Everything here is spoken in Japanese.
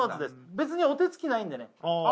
別にお手つきないんでねああ